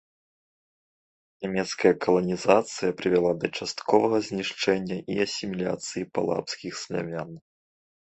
Нямецкая каланізацыя прывяла да частковага знішчэння і асіміляцыі палабскіх славян.